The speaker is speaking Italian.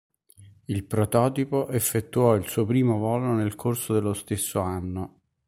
Il prototipo effettuò il suo primo volo nel corso dello stesso anno.